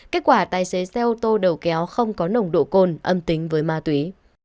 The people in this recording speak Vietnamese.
kết quả tài xế xe ô tô đầu kéo không có nồng độ cồn âm tính với ma túy